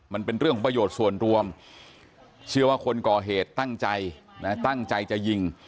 มันเป็นเรื่องของประโยชน์ส่วนรวมเชื่อว่าคนก่อเหตุตั้งใจนะตั้งใจจะยิง